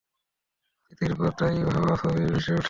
স্মৃতির পর্দা ইউহাওয়ার ছবি ভেসে ওঠে।